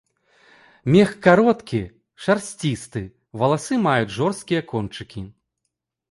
Мех кароткі, шарсцісты, валасы маюць жорсткія кончыкі.